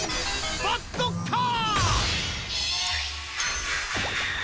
バッドカー！